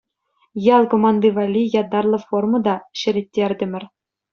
Ял команди валли ятарлӑ форма та ҫӗлеттертӗмӗр.